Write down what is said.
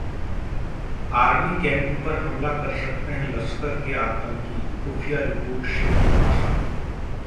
army camp पर हमला कर सकते हैं लश्कर के आतंकी, खुफिया रिपोर्ट से खुलासा